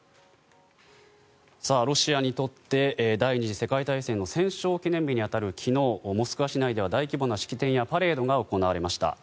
ロシアにとって第２次世界大戦の戦勝記念日に当たる昨日モスクワ市内では大規模な式典やパレードが行われました。